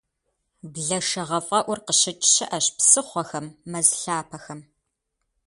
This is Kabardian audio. Блэшэгъэфӏэӏур къыщыкӏ щыӏэщ псыхъуэхэм, мэз лъапэхэм.